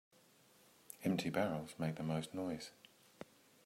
Empty barrels make the most noise.